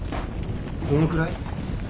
どのくらい？